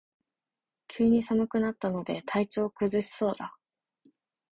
急に寒くなったので体調を崩しそうだ